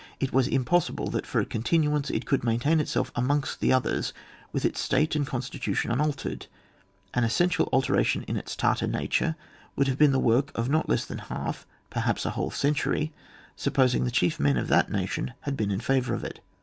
It was impossible that for a continuance it could maintain itself amongst the others with its state and constitution unaltered : an essential alteration in its Tartar nature would have been the work of not less than half, perhaps a whole century, sup posing the chief men of that nation had been in favour of it.